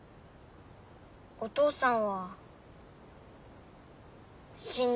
お父さんは死んだ。